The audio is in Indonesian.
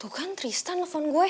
tuh kan tristan nelfon gue